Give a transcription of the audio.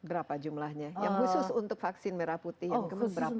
berapa jumlahnya yang khusus untuk vaksin merah putih yang berapa